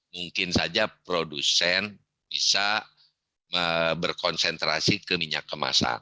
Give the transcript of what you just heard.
mungkin saja produsen bisa berkonsentrasi ke minyak kemasan